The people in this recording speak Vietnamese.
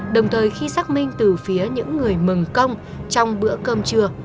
đồng thời khi xác minh từ phía những người mừng công trong bữa cơm trưa